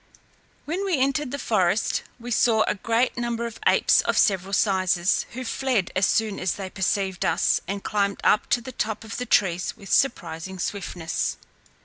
When we entered the forest we saw a great number of apes of several sizes, who fled as soon as they perceived us, and climbed up to the top of the trees with surprising swiftness.